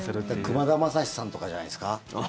くまだまさしさんとかじゃないですか。